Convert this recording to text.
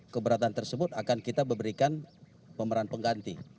keberatan tersebut akan kita berikan pemeran pengganti